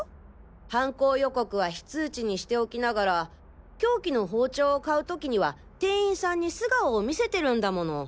犯行予告は非通知にしておきながら凶器の包丁を買う時には店員さんに素顔を見せてるんだもの。